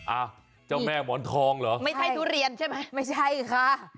อ่ะเจ้าแม่หมอนทองเหรอไม่ใช่ทุเรียนใช่ไหมไม่ใช่ค่ะ